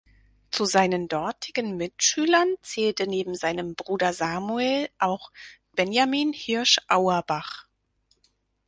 Zu seinen dortigen Mitschülern zählte neben seinem Bruder Samuel auch Benjamin Hirsch Auerbach.